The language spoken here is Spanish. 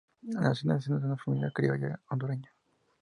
Nació en el seno de una familia criolla hondureña.